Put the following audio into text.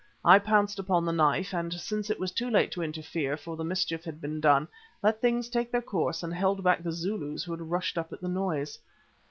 I pounced upon the knife, and since it was too late to interfere, for the mischief had been done, let things take their course and held back the Zulus who had rushed up at the noise.